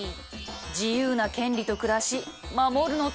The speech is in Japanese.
自由な権利と暮らし守るの大変らしい。